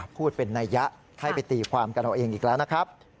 พูดเป็นนัยยะให้ไปตีความกับเราเองอีกแล้วนะครับ